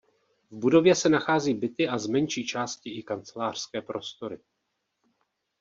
V budově se nachází byty a z menší části i kancelářské prostory.